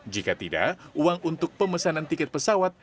jika tidak uang untuk pemesanan tiket pesawat